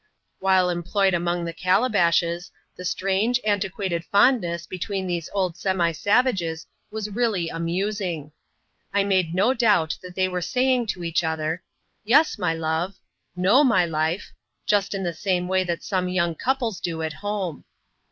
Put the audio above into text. While employed among the calabashes, the strange, antiquated fondness between these old semi savages was really amusing. I made no doubt tliat they were saying to each other, " Yes, my love "—No, my life^' just in the same way that some young couples do at home.